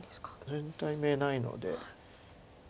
全体眼ないので。